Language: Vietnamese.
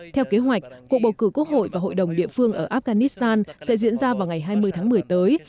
theo kế hoạch cuộc bầu cử quốc hội và hội đồng địa phương ở afghanistan sẽ diễn ra vào ngày hai mươi tháng một mươi tới